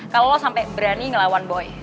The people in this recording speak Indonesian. kalau lo sampai berani ngelawan boy